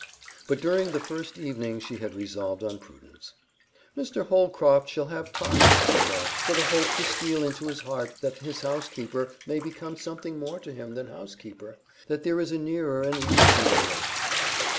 But during the first evening she had resolved on prudence. "Mr. Holcroft shall have time," she thought, "for the hope to steal into his heart that his housekeeper may become something more to him than housekeeper that there is a nearer and loftier relation."